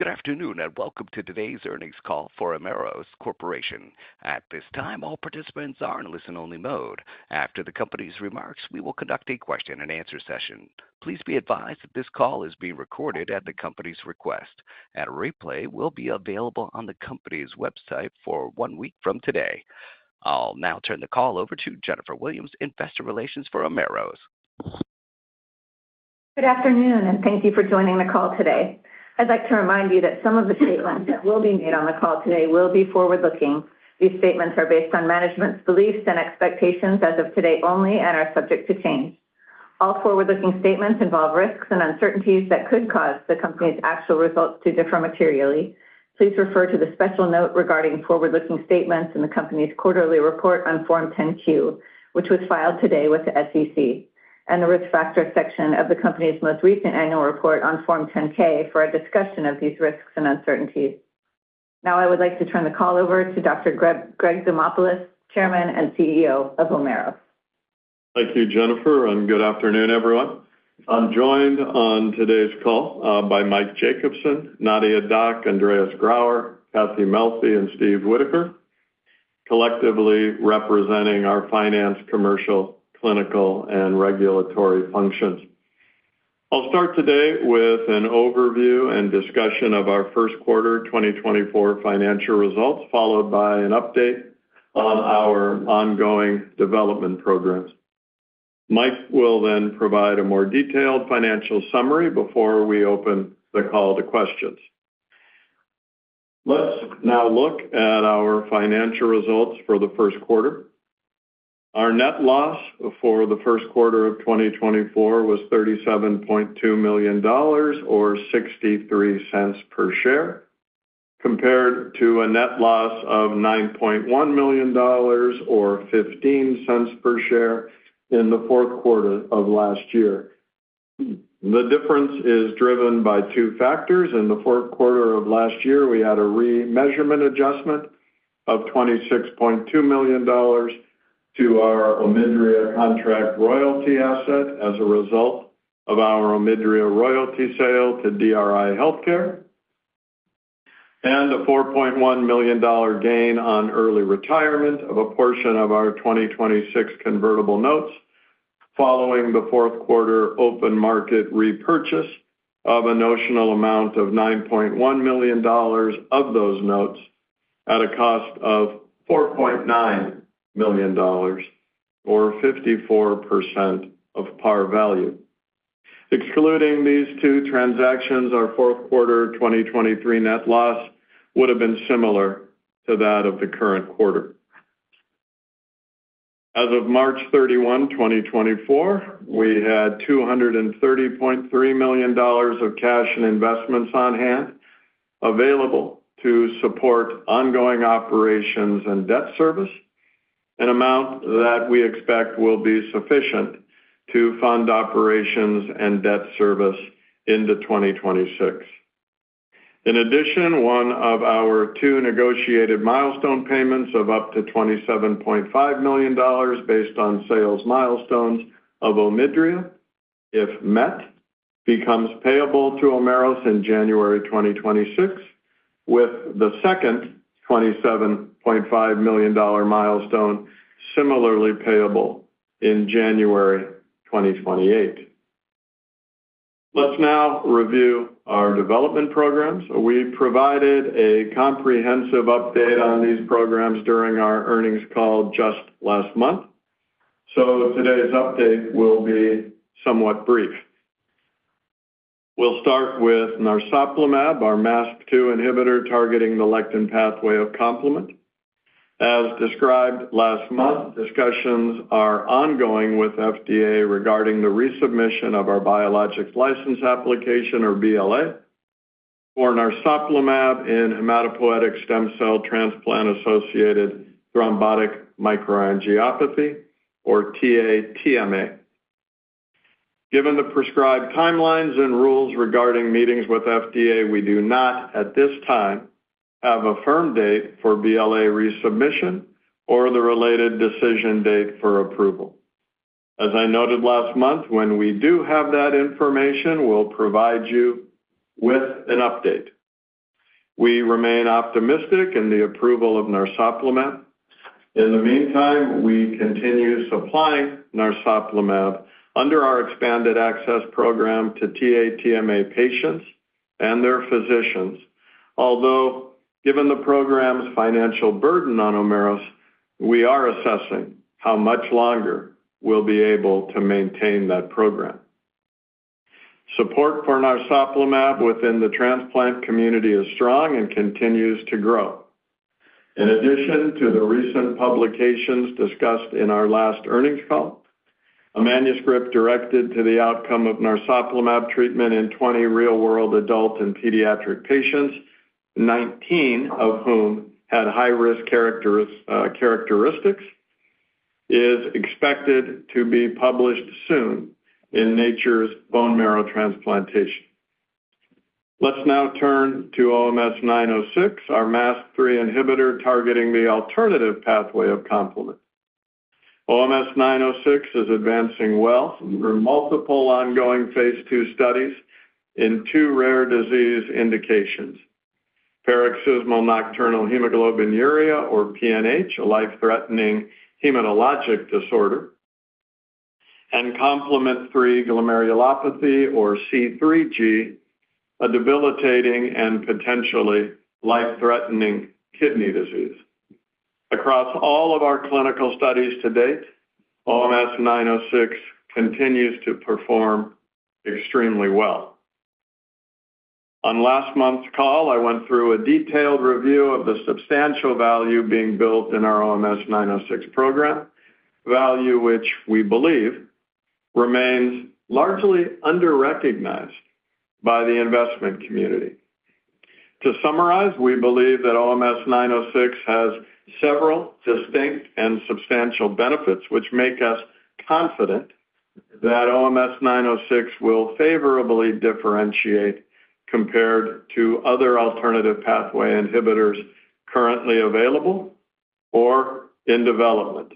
Good afternoon, and welcome to today's earnings call for Omeros Corporation. At this time, all participants are in listen-only mode. After the company's remarks, we will conduct a question-and-answer session. Please be advised that this call is being recorded at the company's request, and a replay will be available on the company's website for one week from today. I'll now turn the call over to Jennifer Williams, Investor Relations for Omeros. Good afternoon, and thank you for joining the call today. I'd like to remind you that some of the statements that will be made on the call today will be forward-looking. These statements are based on management's beliefs and expectations as of today only and are subject to change. All forward-looking statements involve risks and uncertainties that could cause the company's actual results to differ materially. Please refer to the special note regarding forward-looking statements in the company's quarterly report on Form 10-Q, which was filed today with the SEC, and the Risk Factors section of the company's most recent annual report on Form 10-K for a discussion of these risks and uncertainties. Now, I would like to turn the call over to Dr. Greg Demopulos, Chairman and CEO of Omeros. Thank you, Jennifer, and good afternoon, everyone. I'm joined on today's call by Mike Jacobsen, Nadia Dac, Andreas Grauer, Catherine Melfi, and Steve Whitaker, collectively representing our finance, commercial, clinical, and regulatory functions. I'll start today with an overview and discussion of our first quarter 2024 financial results, followed by an update on our ongoing development programs. Mike will then provide a more detailed financial summary before we open the call to questions. Let's now look at our financial results for the first quarter. Our net loss for the first quarter of 2024 was $37.2 million or 63 cents per share, compared to a net loss of $9.1 million or 15 cents per share in the fourth quarter of last year. The difference is driven by two factors. In the fourth quarter of last year, we had a remeasurement adjustment of $26.2 million to our OMIDRIA contract royalty asset as a result of our OMIDRIA royalty sale to DRI Healthcare, and a $4.1 million gain on early retirement of a portion of our 2026 convertible notes following the fourth quarter open market repurchase of a notional amount of $9.1 million of those notes at a cost of $4.9 million or 54% of par value. Excluding these two transactions, our fourth quarter 2023 net loss would have been similar to that of the current quarter. As of March 31, 2024, we had $230.3 million of cash and investments on hand, available to support ongoing operations and debt service, an amount that we expect will be sufficient to fund operations and debt service into 2026. In addition, one of our two negotiated milestone payments of up to $27.5 million based on sales milestones of OMIDRIA, if met, becomes payable to Omeros in January 2026, with the second $27.5 million dollar milestone similarly payable in January 2028. Let's now review our development programs. We provided a comprehensive update on these programs during our earnings call just last month, so today's update will be somewhat brief. We'll start with narsoplimab, our MASP-2 inhibitor, targeting the lectin pathway of complement. As described last month, discussions are ongoing with FDA regarding the resubmission of our biologics license application, or BLA, for narsoplimab in hematopoietic stem cell transplant-associated thrombotic microangiopathy, or TA-TMA. Given the prescribed timelines and rules regarding meetings with FDA, we do not, at this time, have a firm date for BLA resubmission or the related decision date for approval. As I noted last month, when we do have that information, we'll provide you with an update. We remain optimistic in the approval of narsoplimab. In the meantime, we continue supplying narsoplimab under our expanded access program to TA-TMA patients and their physicians. Although, given the program's financial burden on Omeros, we are assessing how much longer we'll be able to maintain that program. Support for narsoplimab within the transplant community is strong and continues to grow. In addition to the recent publications discussed in our last earnings call, a manuscript directed to the outcome of narsoplimab treatment in 20 real-world adult and pediatric patients, 19 of whom had high-risk characteristics, is expected to be published soon in Nature's Bone Marrow Transplantation. Let's now turn to OMS906, our MASP-3 inhibitor, targeting the alternative pathway of complement. OMS906 is advancing well through multiple ongoing phase II studies in two rare disease indications: paroxysmal nocturnal hemoglobinuria, or PNH, a life-threatening hematologic disorder, and complement 3 glomerulopathy, or C3G, a debilitating and potentially life-threatening kidney disease. Across all of our clinical studies to date, OMS906 continues to perform extremely well. On last month's call, I went through a detailed review of the substantial value being built in our OMS906 program, value which we believe remains largely underrecognized by the investment community. To summarize, we believe that OMS906 has several distinct and substantial benefits, which make us confident that OMS906 will favorably differentiate compared to other alternative pathway inhibitors currently available or in development.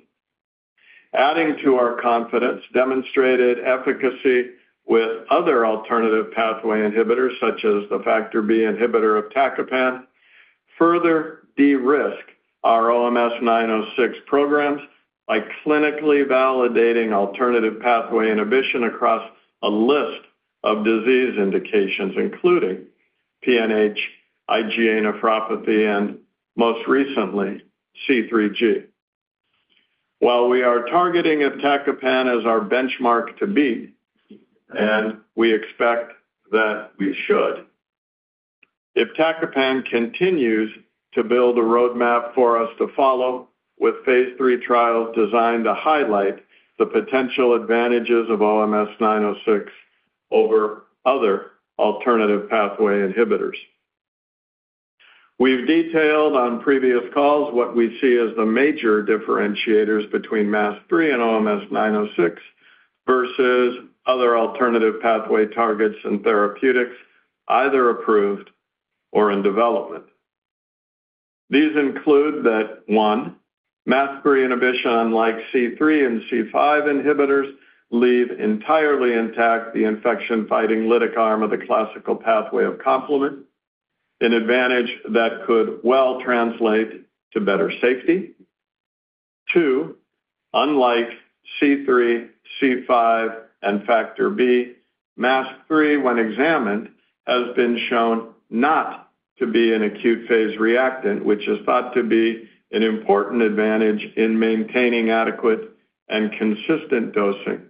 Adding to our confidence, demonstrated efficacy with other alternative pathway inhibitors, such as the factor B inhibitor iptacopan, further de-risk our OMS906 programs by clinically validating alternative pathway inhibition across a list of disease indications, including PNH, IgA nephropathy, and most recently, C3G. While we are targeting iptacopan as our benchmark to be, and we expect that we should, iptacopan continues to build a roadmap for us to follow with phase III trials designed to highlight the potential advantages of OMS906 over other alternative pathway inhibitors. We've detailed on previous calls what we see as the major differentiators between MASP-3 and OMS906 versus other alternative pathway targets and therapeutics, either approved or in development. These include that, one, MASP-3 inhibition, unlike C3 and C5 inhibitors, leave entirely intact the infection-fighting lytic arm of the classical pathway of complement, an advantage that could well translate to better safety. Two, unlike C3, C5, and factor B, MASP-3, when examined, has been shown not to be an acute phase reactant, which is thought to be an important advantage in maintaining adequate and consistent dosing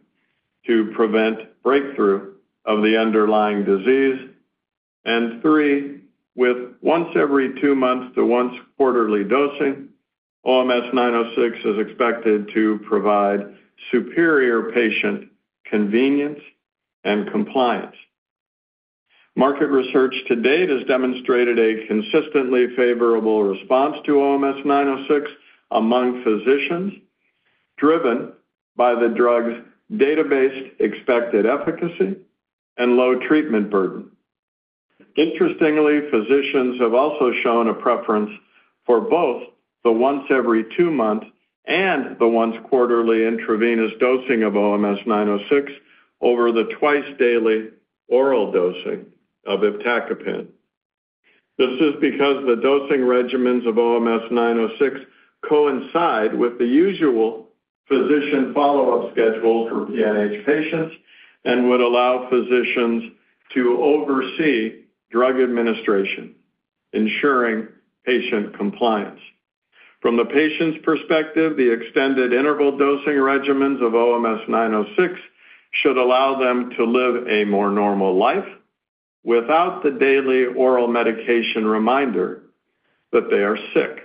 to prevent breakthrough of the underlying disease. And three, with once every two months to once quarterly dosing, OMS906 is expected to provide superior patient convenience and compliance. Market research to date has demonstrated a consistently favorable response to OMS906 among physicians, driven by the drug's data-based expected efficacy and low treatment burden. Interestingly, physicians have also shown a preference for both the once every two months and the once quarterly intravenous dosing of OMS906 over the twice-daily oral dosing of iptacopan. This is because the dosing regimens of OMS906 coincide with the usual physician follow-up schedule for PNH patients and would allow physicians to oversee drug administration, ensuring patient compliance. From the patient's perspective, the extended interval dosing regimens of OMS906 should allow them to live a more normal life without the daily oral medication reminder that they are sick.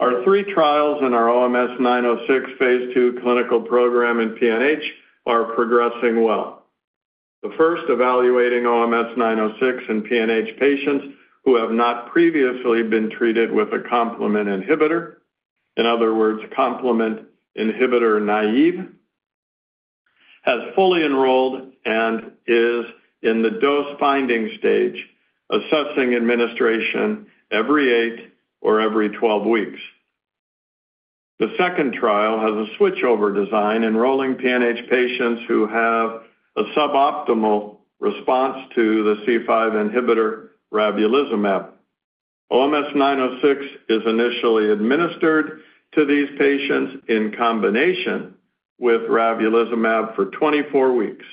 Our three trials in our OMS906 phase II clinical program in PNH are progressing well. The first, evaluating OMS906 in PNH patients who have not previously been treated with a complement inhibitor, in other words, complement inhibitor naive, has fully enrolled and is in the dose-finding stage, assessing administration every eight or every 12 weeks. The second trial has a switchover design, enrolling PNH patients who have a suboptimal response to the C5 inhibitor, ravulizumab. OMS906 is initially administered to these patients in combination with ravulizumab for 24 weeks,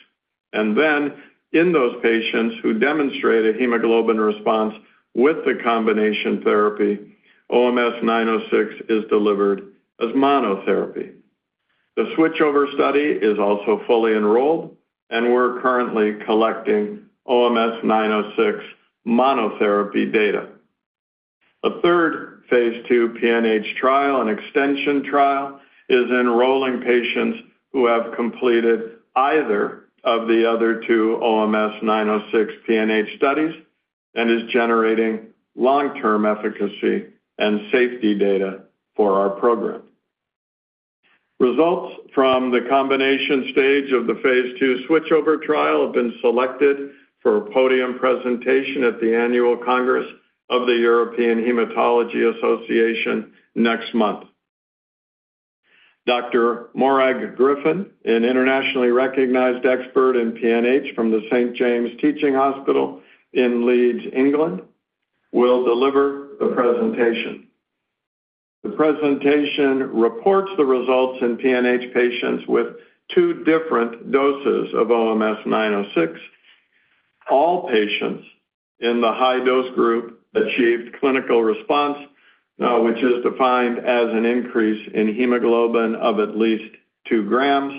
and then in those patients who demonstrate a hemoglobin response with the combination therapy, OMS906 is delivered as monotherapy. The switchover study is also fully enrolled, and we're currently collecting OMS906 monotherapy data. A third phase II PNH trial, an extension trial, is enrolling patients who have completed either of the other two OMS906 PNH studies and is generating long-term efficacy and safety data for our program. Results from the combination stage of the phase II switchover trial have been selected for a podium presentation at the Annual Congress of the European Hematology Association next month. Dr. Morag Griffin, an internationally recognized expert in PNH from the St. James's University Hospital in Leeds, England, will deliver the presentation. The presentation reports the results in PNH patients with two different doses of OMS906. All patients in the high-dose group achieved clinical response, now which is defined as an increase in hemoglobin of at least two grams,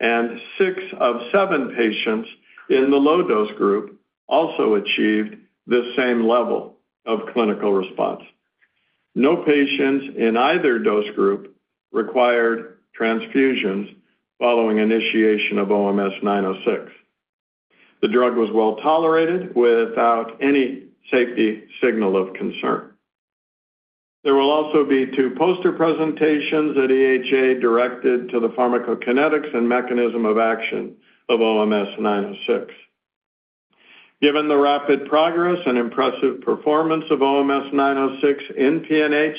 and six of seven patients in the low-dose group also achieved this same level of clinical response. No patients in either dose group required transfusions following initiation of OMS906. The drug was well tolerated without any safety signal of concern. There will also be two poster presentations at EHA, directed to the pharmacokinetics and mechanism of action of OMS906. Given the rapid progress and impressive performance of OMS906 in PNH,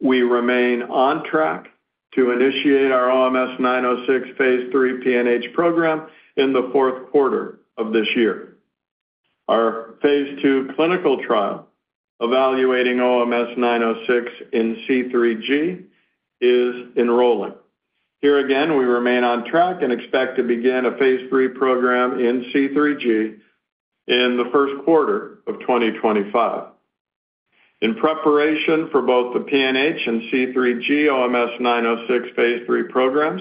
we remain on track to initiate our OMS906 phase III PNH program in the fourth quarter of this year. Our phase II clinical trial evaluating OMS906 in C3G is enrolling. Here again, we remain on track and expect to begin a phase III program in C3G in the first quarter of 2025. In preparation for both the PNH and C3G OMS906 phase III programs,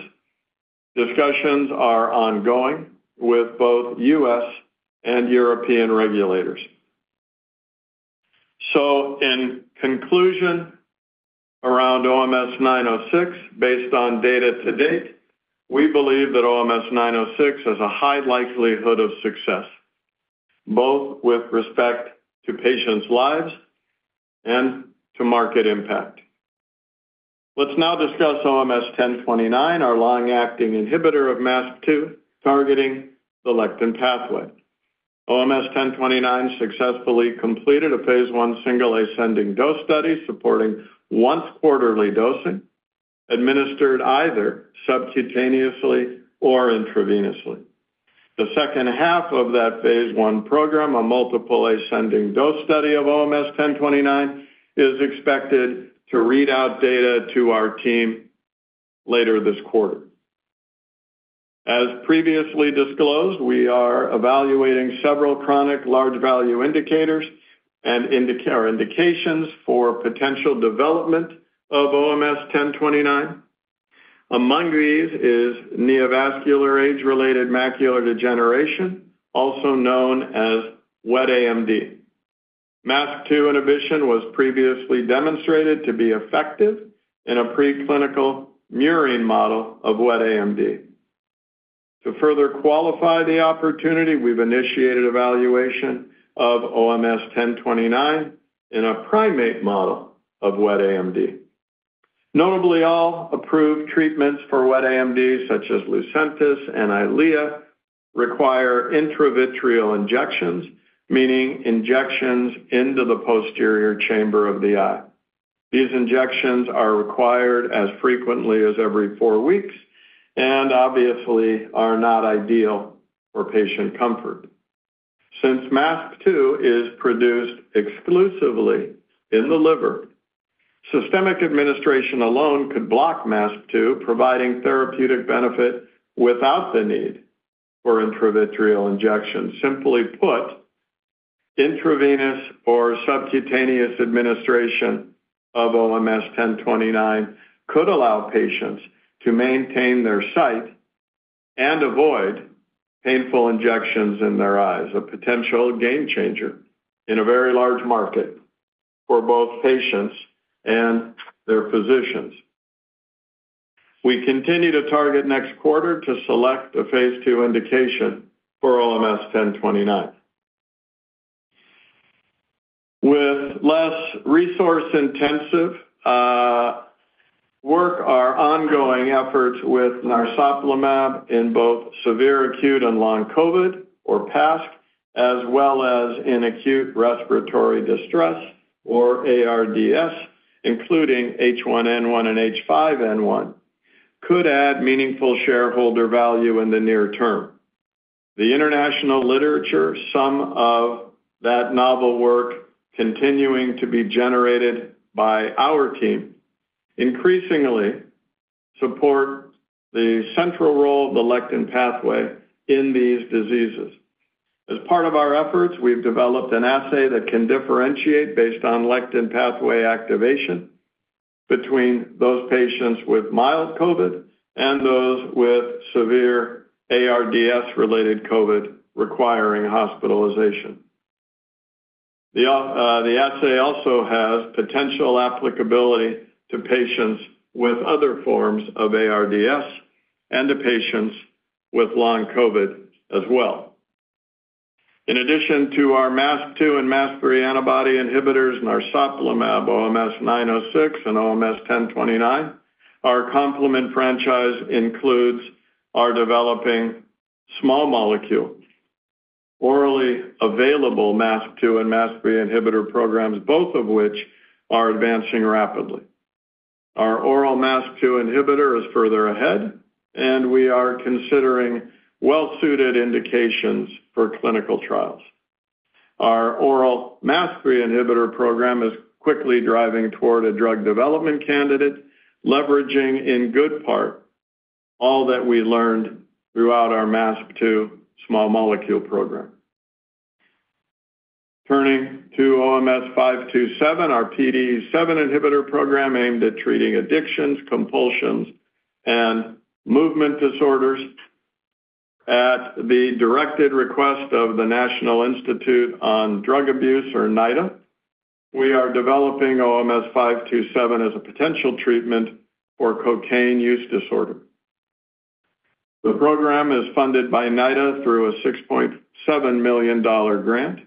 discussions are ongoing with both U.S. and European regulators. So in conclusion, around OMS906, based on data to date, we believe that OMS906 has a high likelihood of success, both with respect to patients' lives and to market impact. Let's now discuss OMS1029, our long-acting inhibitor of MASP-2, targeting the lectin pathway. OMS1029 successfully completed a phase I single-ascending dose study, supporting once quarterly dosing, administered either subcutaneously or intravenously. The second half of that phase I program, a multiple-ascending dose study of OMS1029, is expected to read out data to our team later this quarter. As previously disclosed, we are evaluating several chronic, large-value indications for potential development of OMS1029. Among these is neovascular age-related macular degeneration, also known as wet AMD. MASP-2 inhibition was previously demonstrated to be effective in a preclinical murine model of wet AMD. To further qualify the opportunity, we've initiated evaluation of OMS1029 in a primate model of wet AMD. Notably, all approved treatments for wet AMD, such as Lucentis and Eylea, require intravitreal injections, meaning injections into the posterior chamber of the eye. These injections are required as frequently as every four weeks and obviously are not ideal for patient comfort. Since MASP-2 is produced exclusively in the liver, systemic administration alone could block MASP-2, providing therapeutic benefit without the need for intravitreal injections. Simply put, intravenous or subcutaneous administration of OMS1029 could allow patients to maintain their sight and avoid painful injections in their eyes, a potential game changer in a very large market for both patients and their physicians. We continue to target next quarter to select a phase II indication for OMS1029. With less resource-intensive work, our ongoing efforts with narsoplimab in both severe acute and long COVID or PASC, as well as in acute respiratory distress or ARDS, including H1N1 and H5N1, could add meaningful shareholder value in the near term. The international literature, some of that novel work continuing to be generated by our team, increasingly support the central role of the lectin pathway in these diseases. As part of our efforts, we've developed an assay that can differentiate based on lectin pathway activation between those patients with mild COVID and those with severe ARDS-related COVID requiring hospitalization. The assay also has potential applicability to patients with other forms of ARDS and to patients with long COVID as well. In addition to our MASP-2 and MASP-3 antibody inhibitors and our narsoplimab, OMS906, and OMS1029, our complement franchise includes our developing small molecule, orally available MASP-2 and MASP-3 inhibitor programs, both of which are advancing rapidly. Our oral MASP-2 inhibitor is further ahead, and we are considering well-suited indications for clinical trials. Our oral MASP-3 inhibitor program is quickly driving toward a drug development candidate, leveraging, in good part, all that we learned throughout our MASP-2 small molecule program. Turning to OMS527, our PDE7 inhibitor program aimed at treating addictions, compulsions, and movement disorders. At the directed request of the National Institute on Drug Abuse, or NIDA, we are developing OMS527 as a potential treatment for cocaine use disorder. The program is funded by NIDA through a $6.7 million grant.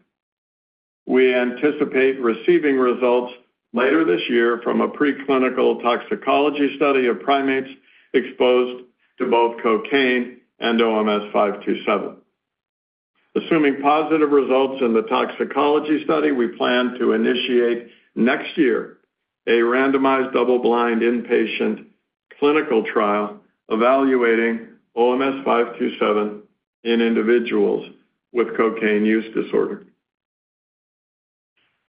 We anticipate receiving results later this year from a preclinical toxicology study of primates exposed to both cocaine and OMS527. Assuming positive results in the toxicology study, we plan to initiate next year a randomized, double-blind, inpatient clinical trial evaluating OMS527 in individuals with cocaine use disorder.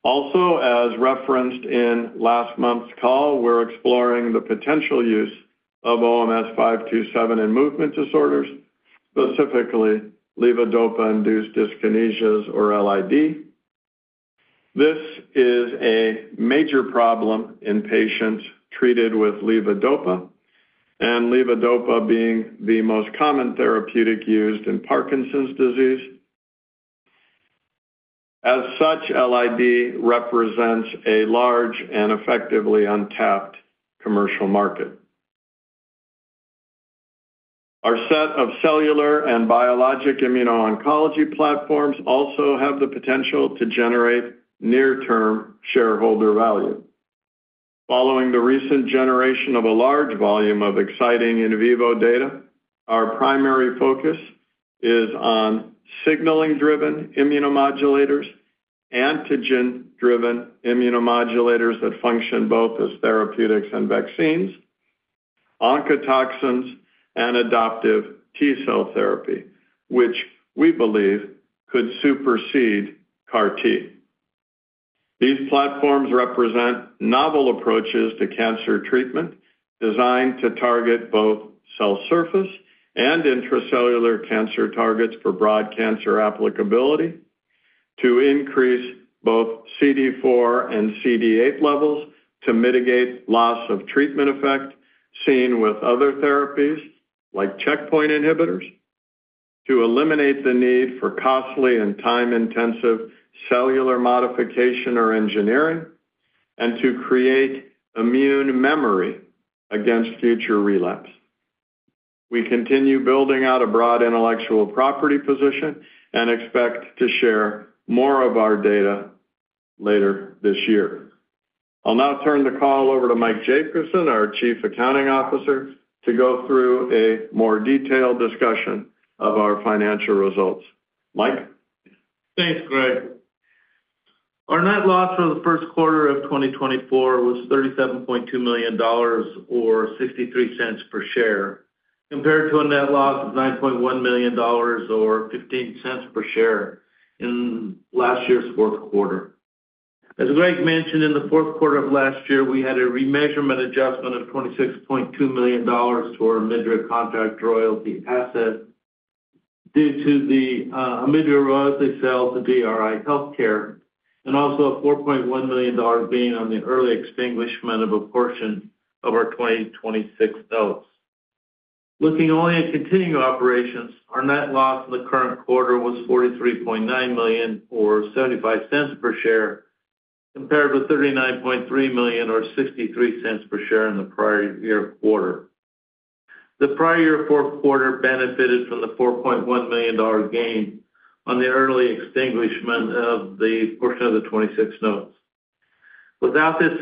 Also, as referenced in last month's call, we're exploring the potential use of OMS527 in movement disorders, specifically levodopa-induced dyskinesias or LID. This is a major problem in patients treated with levodopa, and levodopa being the most common therapeutic used in Parkinson's disease. As such, LID represents a large and effectively untapped commercial market. Our set of cellular and biologic immuno-oncology platforms also have the potential to generate near-term shareholder value. Following the recent generation of a large volume of exciting in vivo data, our primary focus is on signaling-driven immunomodulators, antigen-driven immunomodulators that function both as therapeutics and vaccines, oncotoxins, and adoptive T-cell therapy, which we believe could supersede CAR-T. These platforms represent novel approaches to cancer treatment, designed to target both cell surface and intracellular cancer targets for broad cancer applicability, to increase both CD4 and CD8 levels, to mitigate loss of treatment effect seen with other therapies like checkpoint inhibitors, to eliminate the need for costly and time-intensive cellular modification or engineering, and to create immune memory against future relapse. We continue building out a broad intellectual property position and expect to share more of our data later this year. I'll now turn the call over to Mike Jacobsen, our Chief Accounting Officer, to go through a more detailed discussion of our financial results. Mike? Thanks, Greg. Our net loss for the first quarter of 2024 was $37.2 million or $0.63 per share, compared to a net loss of $9.1 million or $0.15 per share in last year's fourth quarter. As Greg mentioned, in the fourth quarter of last year, we had a remeasurement adjustment of $26.2 million to our OMIDRIA contract royalty asset due to the, OMIDRIA royalty sale to DRI Healthcare, and also a $4.1 million dollar gain on the early extinguishment of a portion of our 2026 notes. Looking only at continuing operations, our net loss in the current quarter was $43.9 million or $0.75 per share, compared with $39.3 million or $0.63 per share in the prior year quarter. The prior year fourth quarter benefited from the $4.1 million gain on the early extinguishment of the portion of the 2026 notes. Without this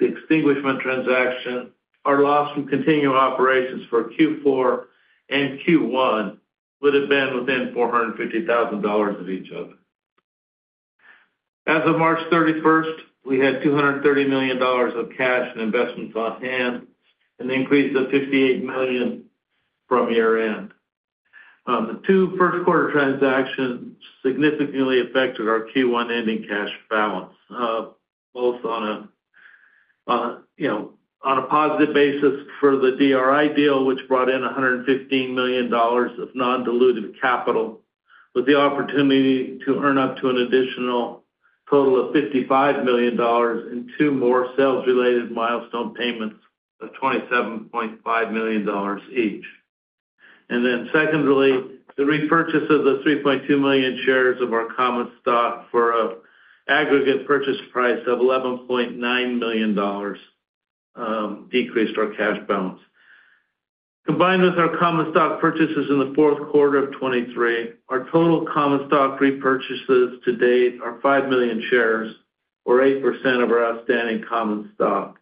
extinguishment transaction, our loss from continuing operations for Q4 and Q1 would have been within $450,000 of each other. As of March 31st, we had $230 million of cash and investments on hand, an increase of $58 million from year-end. The two first quarter transactions significantly affected our Q1 ending cash balance, both on a, you know, on a positive basis for the DRI deal, which brought in $115 million of non-dilutive capital, with the opportunity to earn up to an additional total of $55 million in two more sales-related milestone payments of $27.5 million each. And then secondly, the repurchase of the 3.2 million shares of our common stock for an aggregate purchase price of $11.9 million decreased our cash balance. Combined with our common stock purchases in the fourth quarter of 2023, our total common stock repurchases to date are 5 million shares, or 8% of our outstanding common stock,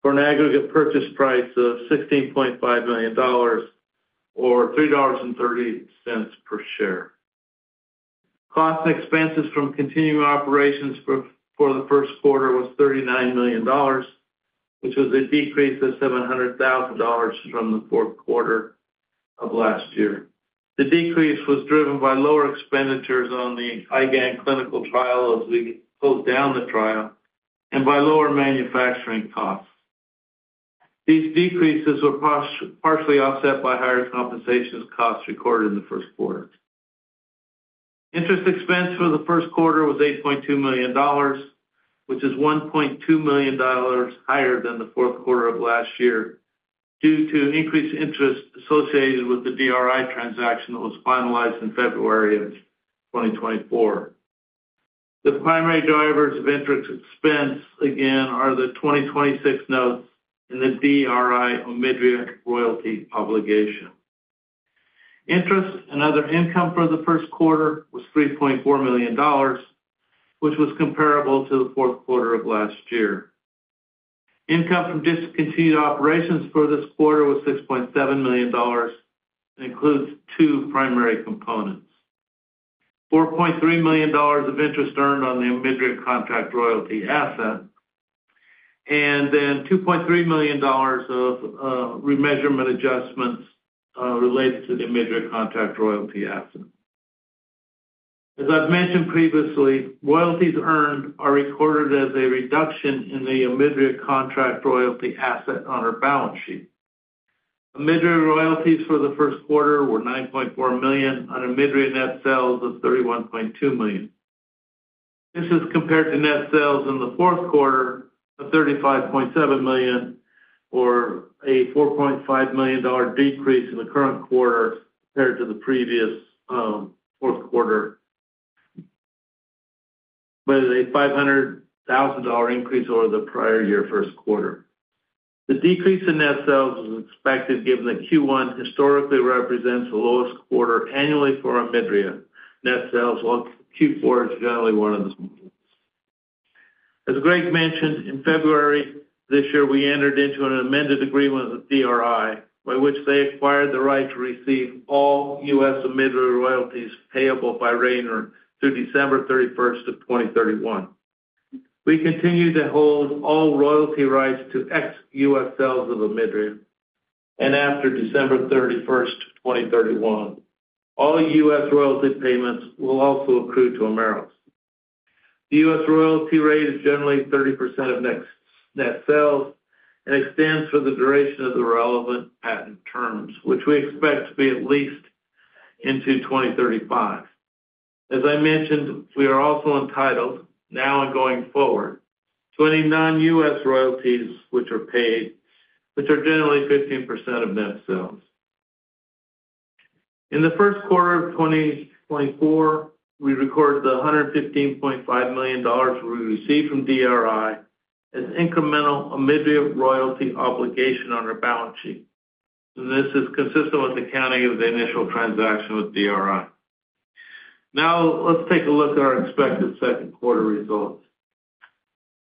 for an aggregate purchase price of $16.5 million, or $3.30 per share. Costs and expenses from continuing operations for the first quarter was $39 million, which was a decrease of $700,000 from the fourth quarter of last year. The decrease was driven by lower expenditures on the IgAN clinical trial as we closed down the trial, and by lower manufacturing costs. These decreases were partially offset by higher compensation costs recorded in the first quarter. Interest expense for the first quarter was $8.2 million, which is $1.2 million higher than the fourth quarter of last year, due to increased interest associated with the DRI transaction that was finalized in February of 2024. The primary drivers of interest expense, again, are the 2026 notes and the DRI OMIDRIA royalty obligation. Interest and other income for the first quarter was $3.4 million, which was comparable to the fourth quarter of last year. Income from discontinued operations for this quarter was $6.7 million, and includes two primary components: $4.3 million of interest earned on the OMIDRIA contract royalty asset, and then $2.3 million of remeasurement adjustments related to the OMIDRIA contract royalty asset. As I've mentioned previously, royalties earned are recorded as a reduction in the OMIDRIA contract royalty asset on our balance sheet. OMIDRIA royalties for the first quarter were $9.4 million on OMIDRIA net sales of $31.2 million. This is compared to net sales in the fourth quarter of $35.7 million, or a $4.5 million decrease in the current quarter compared to the previous fourth quarter, but a $500,000 increase over the prior year first quarter. The decrease in net sales was expected, given that Q1 historically represents the lowest quarter annually for OMIDRIA. Net sales on Q4 is generally one of the. As Greg mentioned, in February this year, we entered into an amended agreement with DRI, by which they acquired the right to receive all U.S. OMIDRIA royalties payable by Rayner through December 31st, 2031. We continue to hold all royalty rights to ex-U.S. sales of OMIDRIA, and after December 31, 2031, all U.S. royalty payments will also accrue to Omeros. The U.S. royalty rate is generally 30% of net sales and extends for the duration of the relevant patent terms, which we expect to be at least into 2035. As I mentioned, we are also entitled, now and going forward, to any non-U.S. royalties which are paid, which are generally 15% of net sales. In the first quarter of 2024, we recorded $115.5 million we received from DRI as incremental OMIDRIA royalty obligation on our balance sheet, and this is consistent with the accounting of the initial transaction with DRI. Now, let's take a look at our expected second quarter results.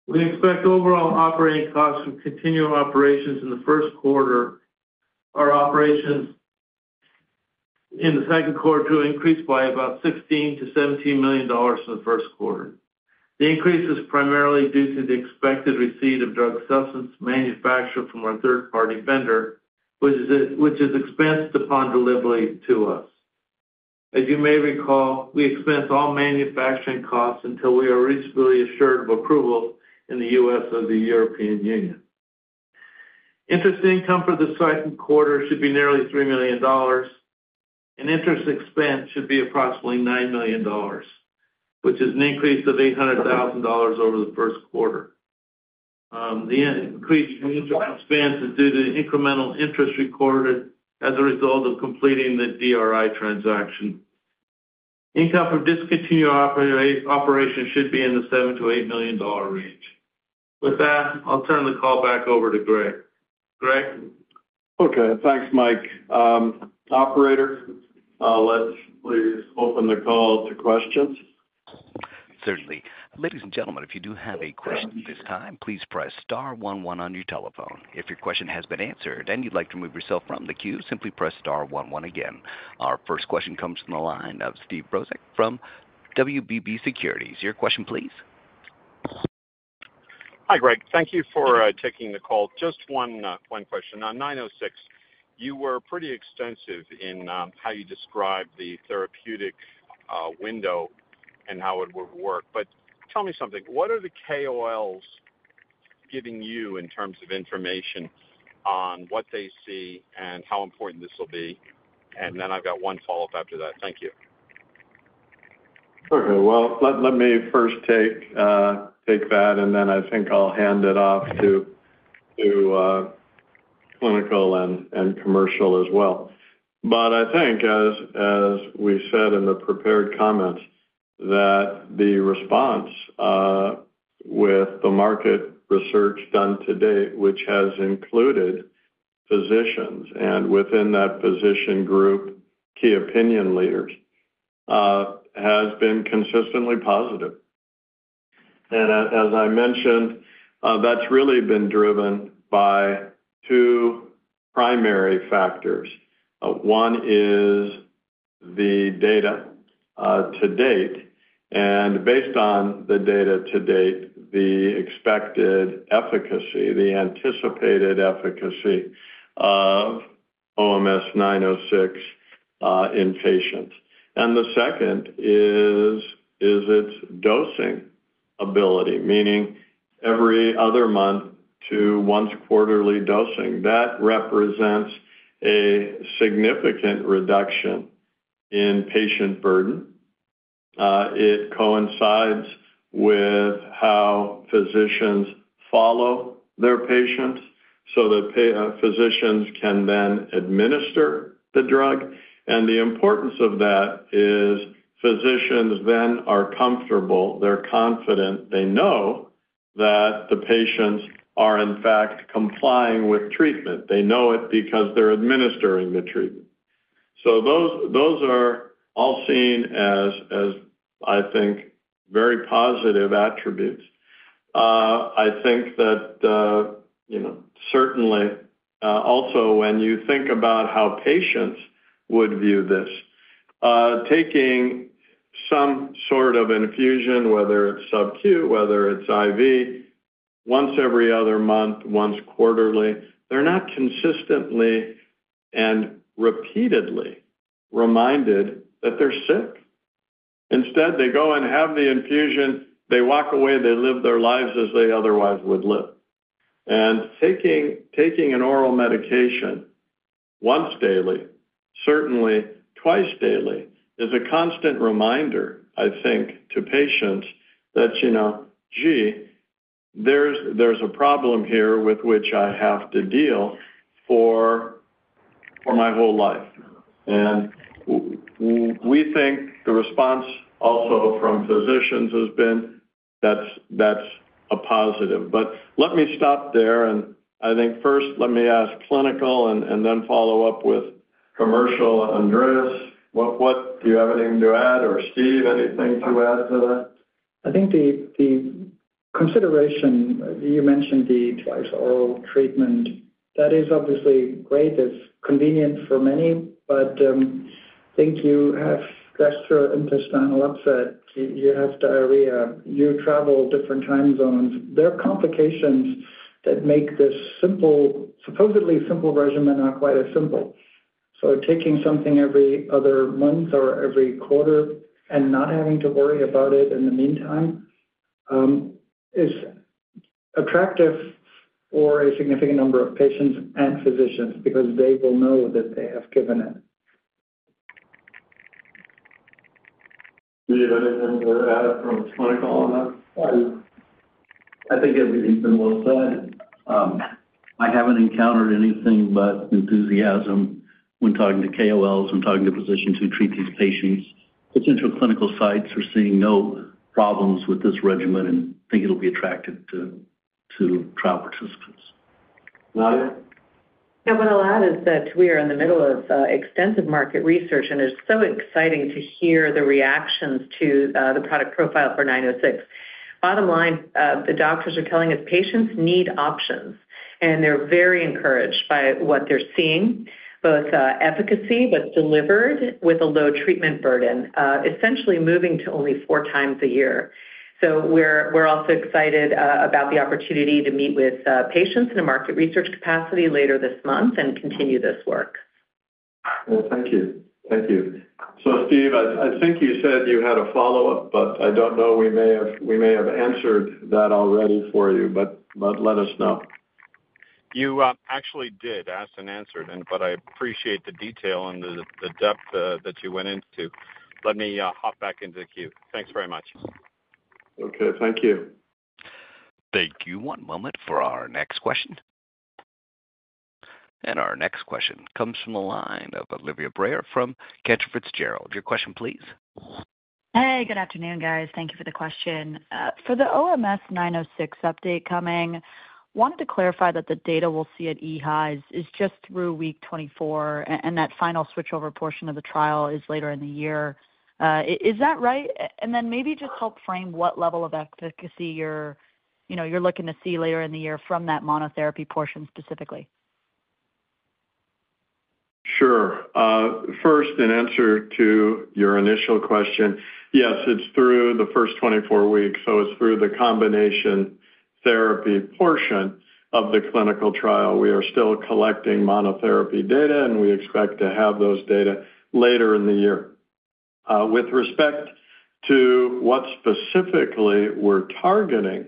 We expect overall operating costs from continuing operations in the first quarter. Our operations in the second quarter to increase by about $16 million-$17 million in the first quarter. The increase is primarily due to the expected receipt of drug substance manufactured from our third-party vendor, which is expensed upon delivery to us. As you may recall, we expense all manufacturing costs until we are reasonably assured of approval in the U.S. or the European Union. Interest income for the second quarter should be nearly $3 million, and interest expense should be approximately $9 million, which is an increase of $800,000 over the first quarter. The increase in interest expense is due to the incremental interest recorded as a result of completing the DRI transaction. Income from discontinued operations should be in the $7 million-$8 million range. With that, I'll turn the call back over to Greg. Greg? Okay. Thanks, Mike. Operator, let's please open the call to questions. Certainly. Ladies and gentlemen, if you do have a question at this time, please press star one one on your telephone. If your question has been answered and you'd like to remove yourself from the queue, simply press star one one again. Our first question comes from the line of Steve Brozak from WBB Securities. Your question, please. Hi, Greg. Thank you for taking the call. Just one question. On OMS906, you were pretty extensive in how you described the therapeutic window and how it would work. But tell me something, what are the KOLs giving you in terms of information on what they see and how important this will be? And then I've got one follow-up after that. Thank you. Okay, well, let me first take that, and then I think I'll hand it off to clinical and commercial as well. But I think, as we said in the prepared comments, that the response with the market research done to date, which has included physicians, and within that physician group, key opinion leaders, has been consistently positive. And as I mentioned, that's really been driven by two primary factors. One is the data to date, and based on the data to date, the expected efficacy, the anticipated efficacy of OMS906 in patients. And the second is its dosing ability, meaning every other month to once quarterly dosing. That represents a significant reduction in patient burden. It coincides with how physicians follow their patients so that physicians can then administer the drug. And the importance of that is physicians then are comfortable, they're confident, they know that the patients are, in fact, complying with treatment. They know it because they're administering the treatment. So those are all seen as, I think, very positive attributes. I think that, you know, certainly, also, when you think about how patients would view this, taking some sort of infusion, whether it's sub-Q, whether it's IV, once every other month, once quarterly, they're not consistently and repeatedly reminded that they're sick. Instead, they go and have the infusion, they walk away, they live their lives as they otherwise would live. Taking an oral medication once daily, certainly twice daily, is a constant reminder, I think, to patients that, you know, gee, there's a problem here with which I have to deal for my whole life. And we think the response also from physicians has been that's a positive. But let me stop there, and I think first, let me ask clinical and then follow up with commercial. Andreas, what do you have anything to add? Or Steve, anything to add to that? I think the consideration, you mentioned the twice oral treatment, that is obviously great. It's convenient for many, but think you have gastrointestinal upset, you have diarrhea, you travel different time zones. There are complications that make this simple, supposedly simple regimen, not quite as simple. So taking something every other month or every quarter and not having to worry about it in the meantime, is attractive for a significant number of patients and physicians because they will know that they have given it. Do you have anything to add from a clinical? I think everything's been well said. I haven't encountered anything but enthusiasm when talking to KOLs and talking to physicians who treat these patients. Potential clinical sites are seeing no problems with this regimen and think it'll be attractive to trial participants. Nadia? Yeah, what I'll add is that we are in the middle of extensive market research, and it's so exciting to hear the reactions to the product profile for 906. Bottom line, the doctors are telling us patients need options, and they're very encouraged by what they're seeing, both efficacy, but delivered with a low treatment burden, essentially moving to only four times a year. So we're also excited about the opportunity to meet with patients in a market research capacity later this month and continue this work. Well, thank you. Thank you. So Steve, I, I think you said you had a follow-up, but I don't know, we may have, we may have answered that already for you, but, but let us know. You actually did ask and answer, but I appreciate the detail and the depth that you went into. Let me hop back into the queue. Thanks very much. Okay. Thank you. Thank you. One moment for our next question. And our next question comes from the line of Olivia Brayer from Cantor Fitzgerald. Your question, please. Hey, good afternoon, guys. Thank you for the question. For the OMS906 update coming, wanted to clarify that the data we'll see at EHA's is just through week 24, and that final switchover portion of the trial is later in the year. Is that right? And then maybe just help frame what level of efficacy you're, you know, you're looking to see later in the year from that monotherapy portion, specifically. Sure. First, in answer to your initial question, yes, it's through the first 24 weeks, so it's through the combination therapy portion of the clinical trial. We are still collecting monotherapy data, and we expect to have those data later in the year. With respect to what specifically we're targeting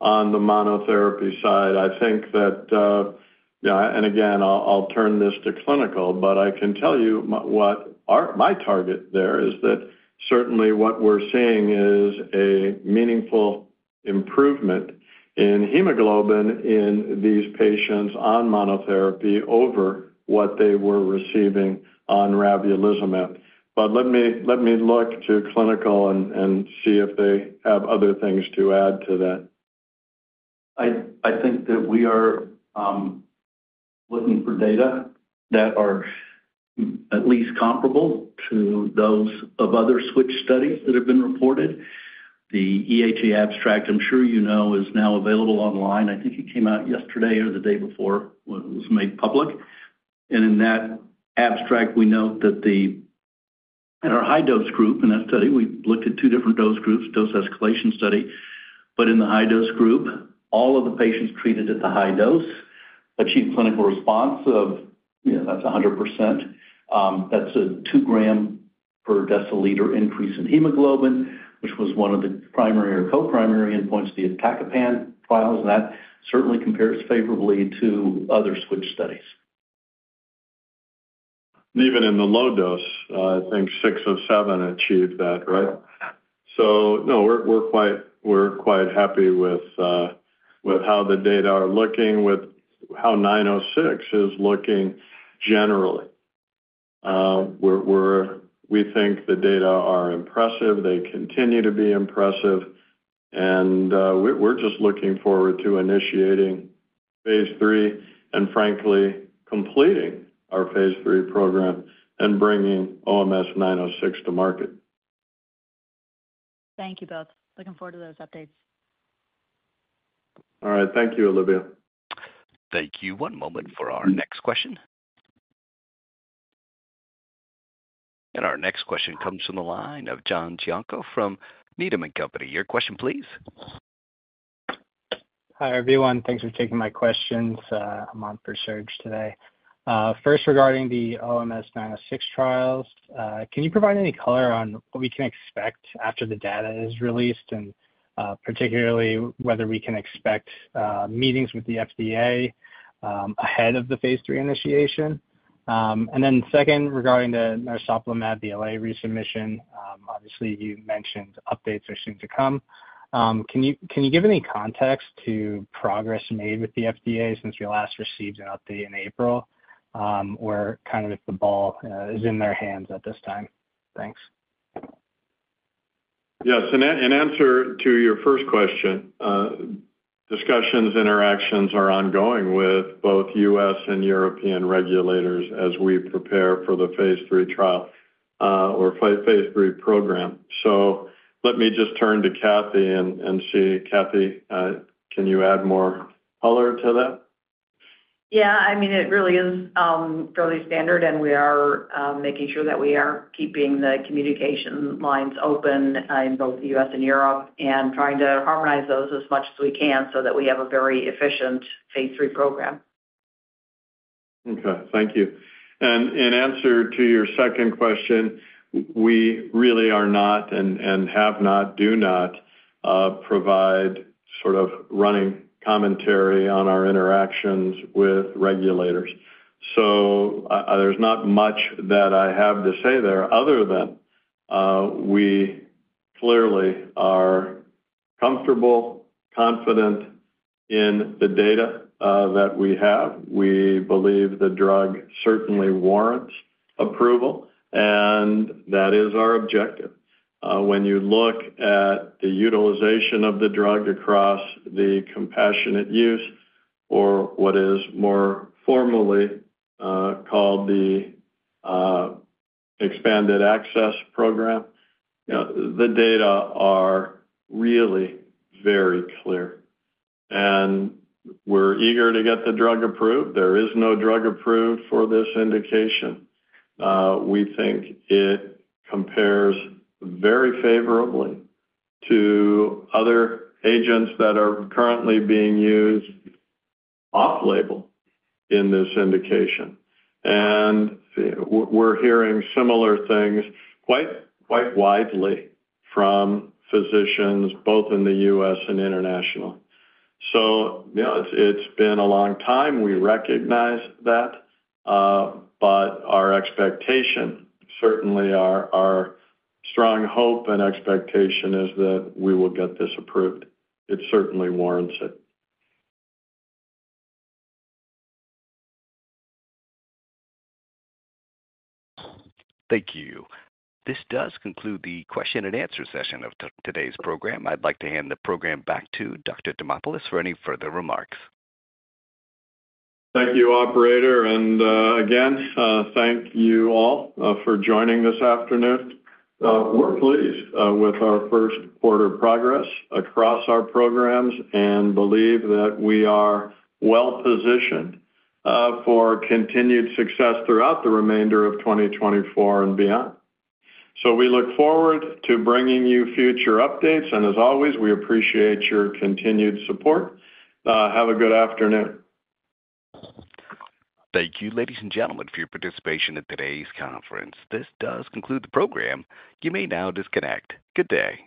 on the monotherapy side, I think that, yeah, and again, I'll turn this to clinical, but I can tell you what my target there is that certainly what we're seeing is a meaningful improvement in hemoglobin in these patients on monotherapy over what they were receiving on ravulizumab. But let me look to clinical and see if they have other things to add to that. I think that we are looking for data that are at least comparable to those of other switch studies that have been reported. The EHA abstract, I'm sure you know, is now available online. I think it came out yesterday or the day before when it was made public. And in that abstract, we note that in our high-dose group, in that study, we looked at two different dose groups, dose escalation study. But in the high-dose group, all of the patients treated at the high dose achieved clinical response of, you know, that's 100%. That's a 2 gram per deciliter increase in hemoglobin, which was one of the primary or co-primary endpoints, the iptacopan trials, and that certainly compares favorably to other switch studies. Even in the low dose, I think six of seven achieved that, right? So no, we're quite happy with how the data are looking, with how OMS906 is looking generally. We're. We think the data are impressive. They continue to be impressive, and we're just looking forward to initiating phase III and frankly, completing our phase III program and bringing OMS906 to market. Thank you both. Looking forward to those updates. All right. Thank you, Olivia. Thank you. One moment for our next question. Our next question comes from the line of John Janco from Needham & Company. Your question, please. Hi, everyone. Thanks for taking my questions. I'm on for Serge today. First, regarding the OMS906 trials, can you provide any color on what we can expect after the data is released, and particularly whether we can expect meetings with the FDA ahead of the phase III initiation? And then second, regarding the narsoplimab, the BLA resubmission, obviously, you mentioned updates are soon to come. Can you give any context to progress made with the FDA since you last received an update in April? Or kind of if the ball is in their hands at this time? Thanks. Yes, in answer to your first question, discussions, interactions are ongoing with both U.S. and European regulators as we prepare for the phase III trial, or phase III program. So let me just turn to Kathy and see. Cathy, can you add more color to that? Yeah, I mean, it really is fairly standard, and we are making sure that we are keeping the communication lines open in both the U.S. and Europe, and trying to harmonize those as much as we can so that we have a very efficient phase III program. Okay. Thank you. And in answer to your second question, we really are not and have not, do not provide sort of running commentary on our interactions with regulators. So there's not much that I have to say there other than we clearly are comfortable, confident in the data that we have. We believe the drug certainly warrants approval, and that is our objective. When you look at the utilization of the drug across the compassionate use or what is more formally called the expanded access program, you know, the data are really very clear, and we're eager to get the drug approved. There is no drug approved for this indication. We think it compares very favorably to other agents that are currently being used off-label in this indication. We're hearing similar things quite widely from physicians, both in the U.S. and international. You know, it's been a long time. We recognize that, but our expectation, certainly our strong hope and expectation, is that we will get this approved. It certainly warrants it. Thank you. This does conclude the question-and-answer session of today's program. I'd like to hand the program back to Dr. Demopulos for any further remarks. Thank you, operator. Again, thank you all for joining this afternoon. We're pleased with our first quarter progress across our programs and believe that we are well-positioned for continued success throughout the remainder of 2024 and beyond. We look forward to bringing you future updates, and as always, we appreciate your continued support. Have a good afternoon. Thank you, ladies and gentlemen, for your participation in today's conference. This does conclude the program. You may now disconnect. Good day.